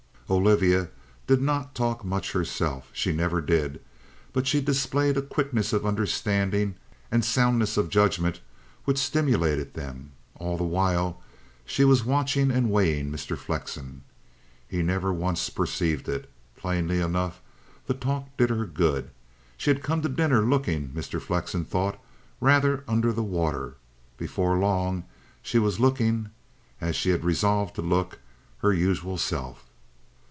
Olivia did not talk much herself. She never did. But she displayed a quickness of understanding and soundness of judgment which stimulated them. All the while she was watching and weighing Mr. Flexen. He never once perceived it. Plainly enough, the talk did her good. She had come to dinner looking, Mr. Flexen thought, rather under the water. Before long she was looking, as she had resolved to look, her usual self.